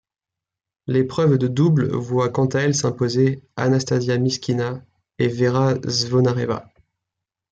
L'épreuve de double voit quant à elle s'imposer Anastasia Myskina et Vera Zvonareva.